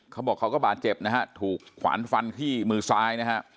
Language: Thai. เขาบอกเขาก็บาดเจ็บนะฮะถูกขวานฟันที่มือซ้ายนะฮะ